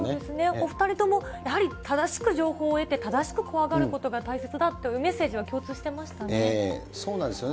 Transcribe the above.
お２人とも、やはり正しく情報を得て正しく怖がることが大切だというメッセーそうなんですよね。